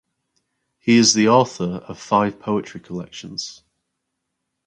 He is the author of five poetry collections.